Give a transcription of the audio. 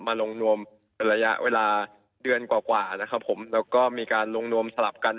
มาลงนวมเป็นระยะเวลาเดือนกว่ากว่านะครับผมแล้วก็มีการลงนวมสลับกัน